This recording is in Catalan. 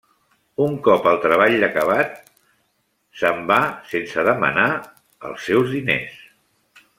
Un cop el treball acabat, se'n va sense demanar els seus diners.